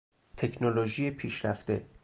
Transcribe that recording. تکنولوژی پیشرفته